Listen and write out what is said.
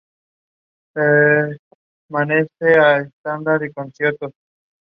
Es hija del retirado jugador de baloncesto profesional Julius Erving.